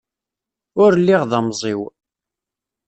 Ur lliɣ d amẓiw.